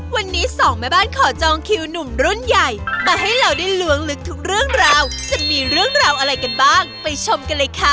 วันนี้สองแม่บ้านขอจองคิวหนุ่มรุ่นใหญ่มาให้เราได้ล้วงลึกทุกเรื่องราวจะมีเรื่องราวอะไรกันบ้างไปชมกันเลยค่ะ